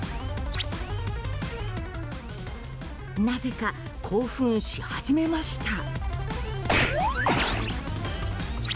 なぜか興奮し始めました。